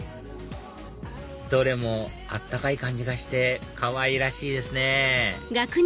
どれも温かい感じがしてかわいらしいですね